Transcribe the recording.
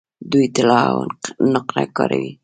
دوی طلا او نقره کاروي.